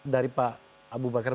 dari pak abu bakar